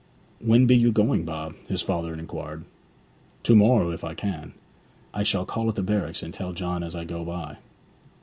'When be you going, Bob?' his father inquired. 'To morrow, if I can. I shall call at the barracks and tell John as I go by.